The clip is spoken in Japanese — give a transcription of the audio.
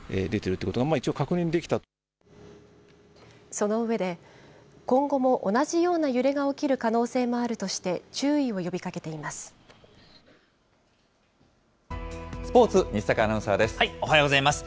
その上で、今後も同じような揺れが起きる可能性もあるとして、注意を呼びかスポーツ、おはようございます。